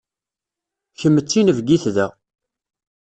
Kemm d tinebgit da.